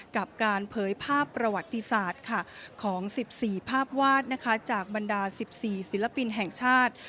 กับการเผยภาพประวัติศาสตร์ของ๑๔ภาพวาดจากบรรดา๑๔ศิลปินแห่งชาติ